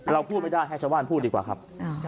เราพูดไม่ได้ให้ชาวบ้านพูดดีกว่าครับ